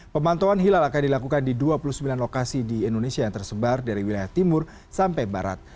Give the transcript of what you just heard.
pemantauan hilal akan dilakukan di dua puluh sembilan lokasi di indonesia yang tersebar dari wilayah timur sampai barat